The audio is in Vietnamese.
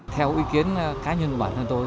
theo ý kiến cá nhân bản thân tôi